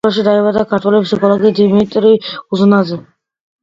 სოფელში დაიბადა ქართველი ფსიქოლოგი დიმიტრი უზნაძე.